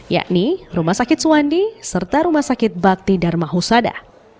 yakni rumah sakit suwandi serta rumah sakit bakti dharma husada